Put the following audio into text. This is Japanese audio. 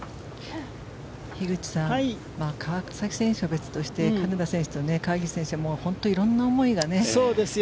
樋口さん川崎選手は別として金田選手と川岸選手は本当に色んな思いがね。